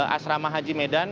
asrama haji medan